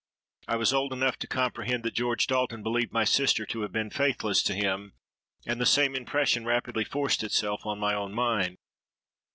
I was old enough to comprehend that George Dalton believed my sister to have been faithless to him; and the same impression rapidly forced itself on my own mind.